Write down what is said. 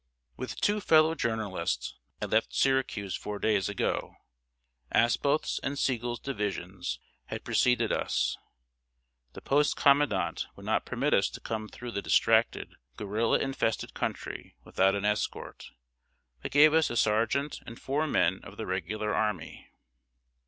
With two fellow journalists, I left Syracuse four days ago. Asboth's and Sigel's divisions had preceded us. The post commandant would not permit us to come through the distracted, guerrilla infested country without an escort, but gave us a sergeant and four men of the regular army.